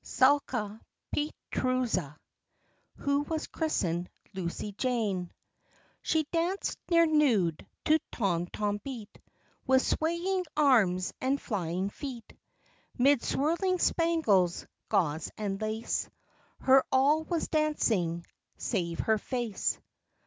ZALKA PEETRUZA (Who Was Christened Lucy Jane) She danced, near nude, to tom tom beat, With swaying arms and flying feet, 'Mid swirling spangles, gauze and lace, Her all was dancing save her face.